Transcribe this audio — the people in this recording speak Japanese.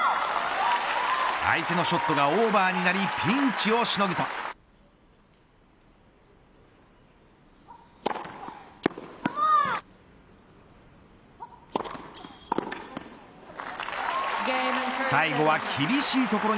相手のショットがオーバーになりピンチをしのぐと。